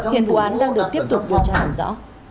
hiện thủ án đang được tiếp tục điều tra hành rõ